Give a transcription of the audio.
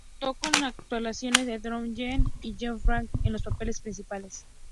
Contó con las actuaciones de Donnie Yen y Chow Yun-fat en los papeles principales.